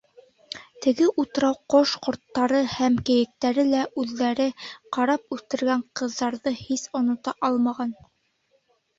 Теге утрау ҡош-ҡорттары һәм кейектәре лә үҙҙәре ҡарап үҫтергән ҡыҙҙарҙы һис онота алмаған.